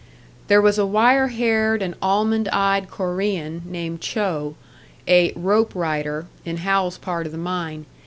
There was a wire haired and almond eyed Korean, named Cho, a "rope rider" in Hal's part of the mine.